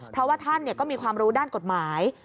เพราะว่าท่านก็มีความรู้ด้านกฎหมาย